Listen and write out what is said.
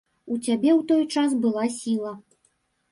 У цябе ў той час была сіла.